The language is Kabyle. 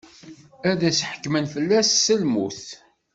Ad ḥekkmen fell-as s lmut.